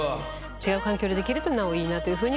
違う環境でできるとなおいいなというふうには思います。